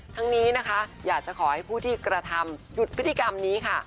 ทั้งนี้นะคะอยากจะขอให้ผู้ที่กระทำหยุดพฤติกรรมนี้ค่ะ